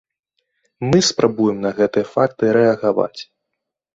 Мы спрабуем на гэтыя факты рэагаваць.